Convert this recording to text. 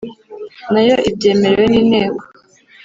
Nayo Ibyemerewe N Inteko